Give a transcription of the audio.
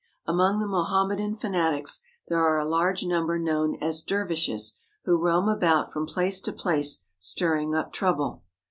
Among the Mohammedan fanatics there are a large number known as dervishes, who roam about from place to place stirring up trouble.